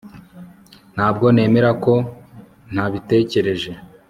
Ntabwo nemera ko ntabitekereje